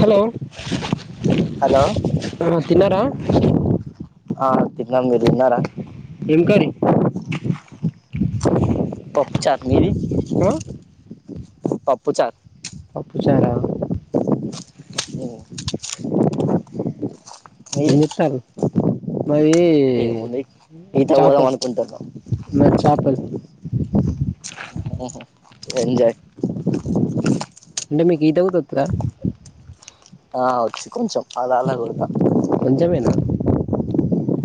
Hello hello ఆ తిన్నారా ఆ తిన్నాం మీరు తిన్నారా ఏం కర్రి [inaudible] పప్పుచారు మీది పప్పుచార్ పప్పుచారా ఉమ్ ఎంచేతారు మాది ఏముంది ఈతకు పోదాం చేపలు అనుకుంటున్నాం మాది చేపలు [inaudible] ఎంజాయ్ అంటే మీకు ఈత కూడా వత్తదా ఆ వచ్చు కొంచెం అలా అలా కొడతా [unintelligible] కొంచమేన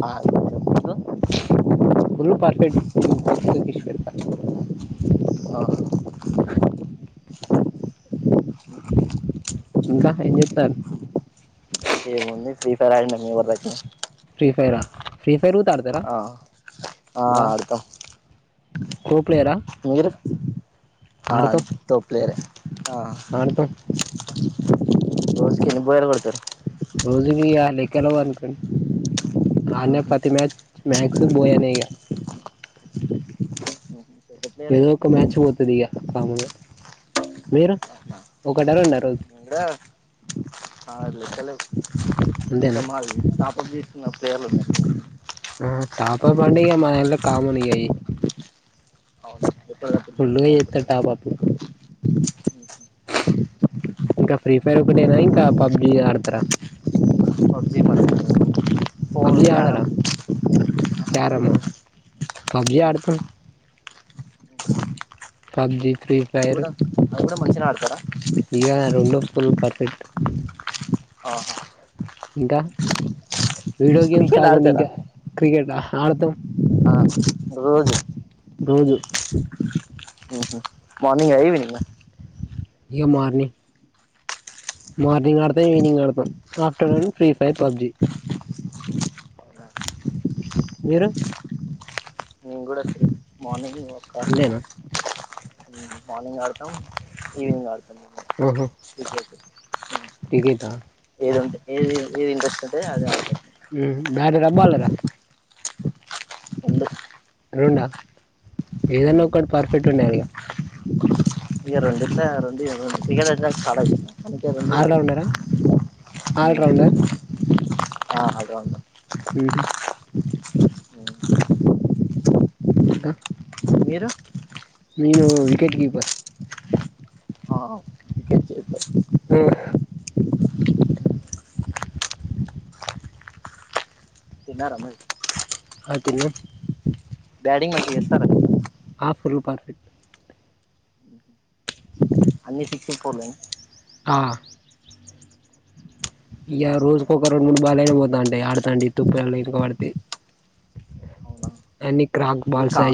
ఆ కొంచెం ఫుల్ పర్ఫెక్ట్ నేను తొక్కి తొక్కి ఇడిచి [inaudible] ఆ [inaudible] ఇంకా ఏం చేస్తాండ్రు ఏముంది ఫ్రీ ఫైర్ ఆడినా మీ ఊరిలో ఫ్రీ ఫైరా ఫ్రీ ఫైరు కూడా ఆడతర ఆ అబ్బా ఆడతాం కో ప్లేయరా మీరు ఆ ఆడతాం తోప్ ప్లేయరే ఆ ఆడతాం రోజు కి ఎన్ని [unintelligible] బాయిలర్లు కొడతారు రోజుకి యే గెలవ అనుకోండి ఆడిన ప్రతి మ్యాచ్ మ్యాక్స్ బోయనే ఇక ఈట్లేర [unintelligible] దిగా మాములుగా మీరు ఒకట రెండ మురా [unintelligible] అంటే అంతేనా మ నాప [unintelligible] నా పేర్ల ఆ టాపప్ అంటే ఇక మాదాంట్లో కామన్ ఇగ అవి అవును ఎప్పటికప్పుడు ఫుల్ గా చేస్తారు చేత్తడు అనుకుంటాను టాపప్ ఇంకా ఫ్రీ ఫైర్ ఒకటేనా ఇంకా పబ్జీ ఆడతరా పబ్జి ఫోన్ పబ్జి క్యారం ఆడరా మీరు క్యారమా పబ్జీ ఆడతా పబ్జీ త్రీ అవి కూడ ఆడతం అవి మంచిగా ఆడతారా ఇగ రెండో ఫిల్మ్ పర్ఫెక్ట్ ఆహా ఇంకా వీడియో గేమ్స్ క్రికెట్ కాకుండా ఇంకా క్రికెటా ఆడతాం ఆహ్ రోజూ రోజు మార్నింగా ఈవినింగా ఇగ మార్నింగ్ మార్నింగ్ ఆడతాం ఈవినింగ్ ఆడతాం ఆఫ్టర్నూన్ ఫ్రీ ఫైర్ పబ్జీ అవునా మీరు మేం కూడా సేమ్ మార్నింగ్ ఈవినిం ఒకే అంతేనా మార్నింగ్ ఆడతాం ఈవినింగ్ ఆడ్ ఓహో క్రికెటా ఏదంటే ఏది ఏది ఇంట్రెస్ట్ ఉంటే అది ఆడతాం బట్టర్ ఆహ్ బాలర్ ఆహ్ రెండు రొండా ఏదన్నా ఒకటి పర్ఫెక్ట్ ఉండాలిగా ఇగ రొండిట్ల రొండు [inaudible] ఆరులో ఉన్నారా [unintelligible] ఆల్రౌండర్ ఆహ్ ఆల్ రౌండర్ ఉఉహుం [unintelligible] ఇంకా మీరూ నేను వికెట్ కీపర్ ఆహ్ తిన్నారా మరి ఆహ్ తిన్నా బ్యాటింగ్ మంచిగా చేస్తారా మీరు హాఫ్ [inaudible] అన్ని సిక్స్లు ఫోర్లె నా ఆహ్ ఇక రోజుకొక రెండు మూడు బాల్ అయినా పోతా ఉంటాయి ఆడుతాంటె తుప్పు ఇక ఆడితే అని ఇక కా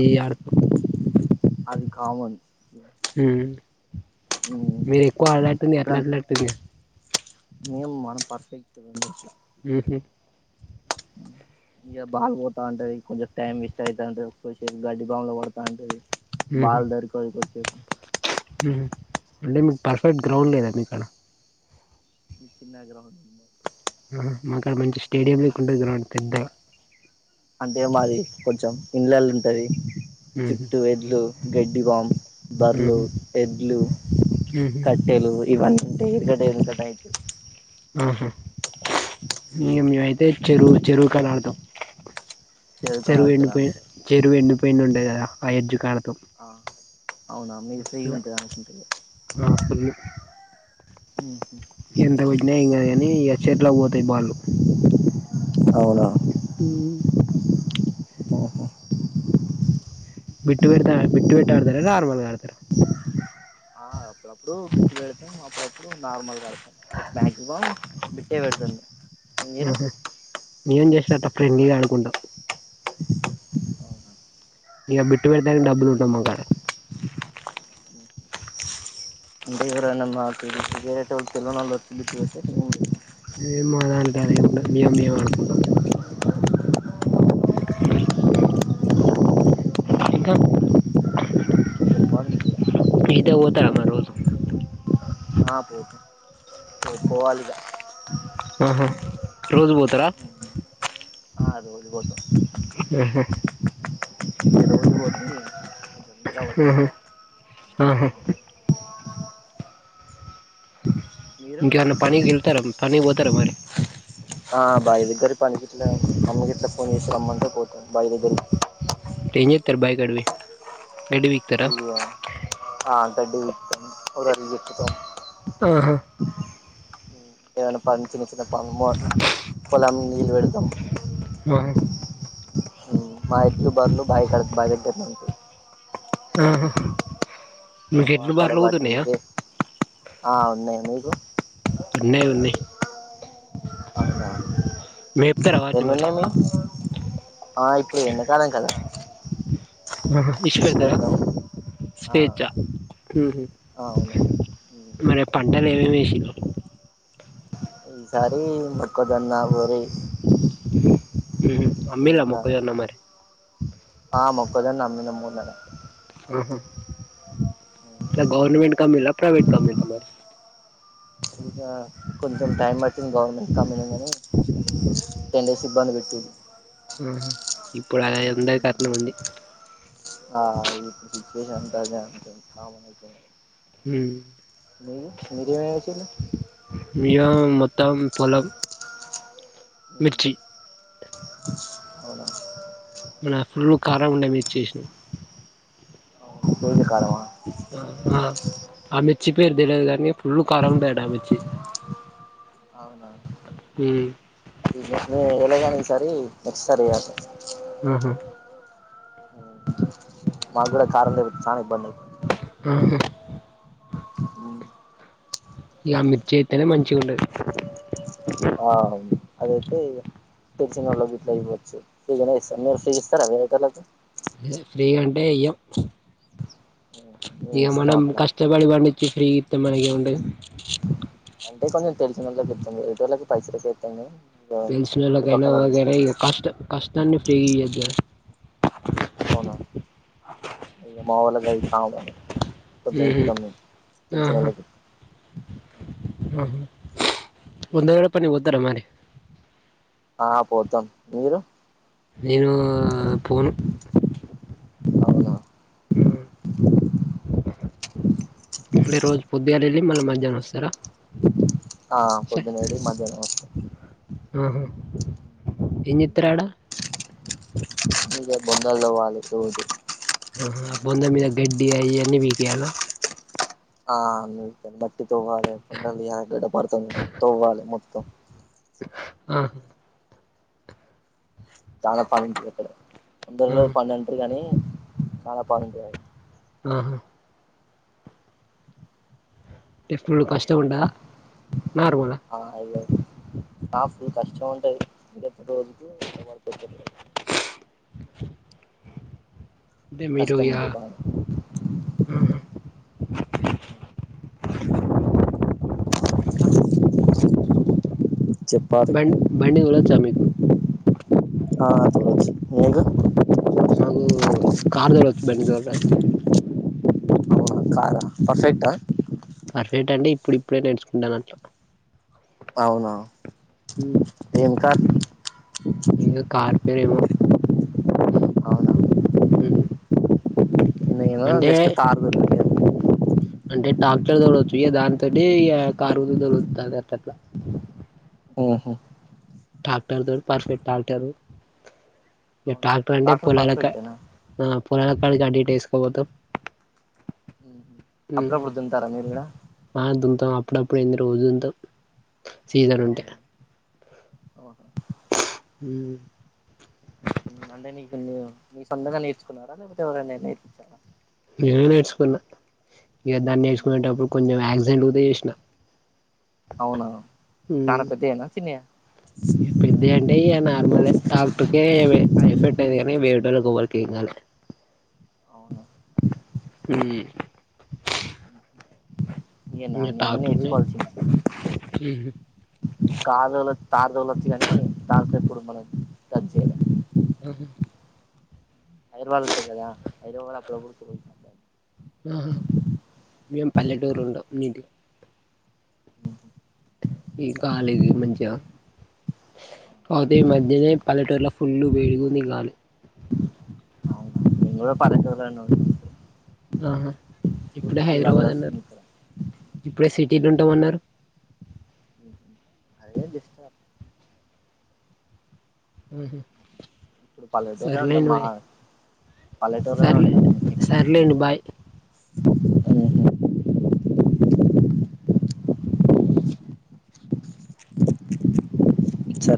అది కామన్ మీరు ఎక్కువ అలాడుతుంది అట్లా అట్లాడుతుంది ఏం మనం పర్ఫెక్ట్ రెండిట్లో ఆహ ఇక బాలు పోతా ఉంటాయి కొంచెం టైం వేస్ట్ అవుతాంటాది గడ్డి బామ్లో పడతా ఉంటది బాల్ దొరకదు [unintelligible] ఆ అంటే మీర్ పర్ఫెక్ట్ గ్రౌండ్ లేదాండి ఇక్కడ ఈ చిన్న గ్రామం ఆ మాకు ఆడ మంచి స్టేడియం లేకుండా గ్రౌండ్ పెద్ద అంటె మాది కొంచెం ఇంలలు ఉంటది మ్మ్ హ్మ్ చుట్టూ ఎద్లు గెడ్డి బామ్ మ్మ్ బర్రెలు హ్మ్ ఎడ్లు మ్మ్ హ్మ్ కట్టెలు ఇవన్నీ ఉంటా ఎకట ఎక అయితే ఆహా ఇక మేమ అయితే చెరువు చెరువు కడనా ఆడుతాం చేదు కడ చెరువు ఎండిపోయి ఆడతారా చెరువు ఎండిపోయిన ఉండే కదా ఆయడ్జు ఆ అవునా మీకు ఫ్రీ మస్తుగా ఉంటద ఎంతకు వచ్చినా ఇంకా కానీ అ చెట్ల కి పోతాయి బాళ్ళు అవును హ ఆహా బిట్టు పెడత బిట్టు పెట్ట ఆడతారా నార్మల్గా ఆడతారా ఆ అప్పుడప్పుడు బిట్ పెడతాం అప్పుడప్పుడు నార్మల్గా ఆడుతాం ఎక్కు ఎక్కువ బిట్టే పెడతాం మీరు ఆహ మేము ఏం చేస్తాం అంటే ఫ్రెండ్లీ గా ఆదుకుంటాం ఇకా బిట్ పెడుతనికి డబ్బులు ఉండవు మాకాడ ఇంకా ఎవరన్న [unintelligible] ఏమో మా దాంట్లో అదంతా ఉండదు మేము మేము అడుకుంటాం ఇంకా ఈత కి పోతారా మరి రోజు ఆ పోతా పోవాలి ఇగ ఆహా రోజు పోతు తరా ఆ రోజు పోతాం [inaudible] హు పట్టది హు ఆహు మీరు ఇంకేమన్నా పనికి వెళ్తారా పనికి పోతారా మరి ఆ బాయి దగ్గర పని గిట్ల అమ్మి ఇట్ల ఫోన్ చేసి రమ్మంటే పోతా బాయి దగ్గరికి ఎంచెత్తరు బాయ్ కాడిబి హుహా ఆ గడ్డి వి ఒరాటికి జెక్కుతాం. ఆహా ఏదైనా పన్ చిన్న చిన్న మోట్ల్ పొలం వెడతం. హహా మా ఎడ్లు బర్లు బాయకడ బా దగ్గర్నెంటాయ్. ఆహా ఆ మీకు ఎడ్లు అక్కడ బార్లు కూడా వాటి ఉన్నాయా దె, ఆ ఉన్నాయి మీకు ఉన్నయ్ ఉన్నయ్. అవునా వాటిని ఎన్ని మరి ఉన్నా మీ ఆ ఇప్పుడు ఎన్నకాలం కదా ఆహా ఇష్ ఇడిచి దగ్గర పెడతాం ఆ స్వేచ్ఛ, ఉహు అవును మరేప్ప నేలే ఏసింరో కరీ మొక్కజొన్న, వరి అమ్మిలా ఇంకా మొక్కజొన్న మరి ఆ మొక్క క్కజొన్న అమ్మినం మూనెల ఆహా ట్ల గవర్నమెంట్ కమీల ప్రైవేట్ కమ్నిరా మరి కొంచెం టైం పట్టింది గవర్నమెంట్ కమ్మినం కనీ, టెన్ డేస్ ఇబ్బంది పె ఆహా ఇప్పుడు ఆయందా కట్నం ఉంది. ఆ హ మనకే మీ మీరేం ఏసిల్లు. మేము మొత్తం పొలం ఉ మిర్చి అవునా న ఫుల్లు కారం ఉండే మీర్చేసినం. ఆ పొని అ ఆ ఆ మిర్చి పేరు తలవదు కాని ఫుల్, కారం ఉంటుంది ఆ మిర్చి అవున ఉమ్. ఎలాగా ఈసారి నెక్స్ట్ సారి ఏయ్యాల, ఊ మాకు కూడా కారం లేదు చానా ఇబ్బంది, ఊ ఈ అ మర్చయితనే మంచిగా ఉంటది, ఆ అదైతే తెలిచిన గిట్ల ఇయ్యొచ్చు. ఫ్రీగానే ఇస్తారు మీరు ఫ్రీ ఇస్తారా వేరేటోలకు, ఫ్రీగా అంటే ఇయ్యం, మేము ఇగ మన ఇస్తాం అట్లా కష్టపడి పండించి ఫ్రీగా, ఇతే మనకి ఉంటాయి, తెలిసిన ఒళ్ళకి ఇతం వేరేటోలకి పైసల కే ఇతం గాని, తెలిసినోళ్లకైనా ఎవరికీ అయినా ఇగ కష్టాన్ని ఫ్రీగా ఇయ్యద్దుగా, అవునా అ మా వాళ్లకు అది కామన్, కొంచెం ఉహు ఇస్తాం మేము అహ తెలిసినోళ్ళకి అహ, వందరోజుల పనికి పోతార మరి, ఆ పోతాం మీరు, నేను ఫోను, అవున అంటే రోజ పొద్దుగాల, అ మల్ల మధ్యాహ్నం వస్తారా, ఆ పొద్దున మధ్యాహ్నం వాసత్తా ఆహా ఏం చేస్తారు ఆడ హు నలో వాళ్ళ, హ బొంద మీద గడ్డి అ అవన్నీ పీకేయల, ఆ మట్టి తవ్వాల కుండలు తీయాలా డ, పాలతోని తవ్వాలి మొత్తం, ఆ చాల పని ఉంటది ఎక్కడ, వంద వందరోజుల ఆహా పని ఉంటారు కానీ, చాలా పని ఉంటది ఆడ, ఆహా [unintelligible] చ్చ ఉడా నార్మాల, ఆ ఇగ స్టాఫ్ కష్టం రోజుకు ఇంత పడుతుదో తెలవదు, అది కష్టం మీరుయా ఉంటది బానే హు చెప్పాలి బం బండి తొలచ్చ మీకు ఆ చూడొచ్చు మీకు మాకు అవునా కార్ తోడచ్చు బండి తో క పర్ఫెక్ట్ పర్ఫెక్ట్ అంటే ఇప్పుడు ఇప్పుడే నేర్చుకుంటాను అట్లా అవునా మ్ ఏం కార్ ఇ కార్పేర అయవ అవునా మ్ నేను జస్ట్ కార్ దో అంటే ట్రాక్టర్ తోలోచ్చు ఇక దాని తటి ఇ కారుతో దొడ అట్లా అట్ల మ్ హు [unintelligible] పర్ఫెక్ట్ ట్రాక్టరూ ఇ అవునా డాక్టర్ంటే ట్రాక్టర్ పోలేలక పర్ఫెక్టేనా పొలాల పని కి ఇ అ ఉహు అప్పుడప్పుడు దున్నుతారా మీరు కూడా [unintelligible] అప్పుడప్పుడు ఏంది రోజు తింటాం సీజన్ ఉంటే ఓహ మ్ అంటే నీకు నీ సొంతంగా నేర్చుకున్నారా లేకపోతే ఎవరైనా నేర్పించారా నేనే నేర్చుకున్నా ఇద ఉహు దాన్నిచుకునేటప్పుడు కొంచెం యాసిడెంట్ ట్ల అవునా చానా పెద్దయేనా చిన్నయా ఊ పెద్ద అంటే ఇయ నార్మలే టాక్టర్కే [inaudible] ద్దోళ్ళకు ఒకళ్ళకు ఏం కాలే అవును ఊ ఏనా నీంగూ ట్రాక్టర్ని నేర్చుకోవాల్సి [unintelligible] తార్ దోలచ్చు గానీ [inaudible] ఊహూ ఐర్వల్ ఉంటది కదా [inaudible] ఆహా మేం పల్లెటూరు ఉండం మీటి ఉహు ఈ గాలిది మంచిగా అవును పల్లెటూర్లో ఫుల్లు వేడిగుంది గాలి అవును నేను గూడా పల్లెటూర్లనే [inaudible] ఆహా ఇప్పుడే హైదరాబాద్ అన్నారు అలవాస్తుంది ఇక్కడ ఇప్పుడే సిటీ నుం టామన్నారు అదే బెస్టార్ ఊహూ ఇప్పుడు పల్లెటూరులో ఉంటాం మహా సర్లే సర్లేండి బాయ్ ఉహు సరే